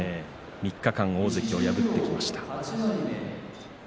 ３日間大関を破ってきました。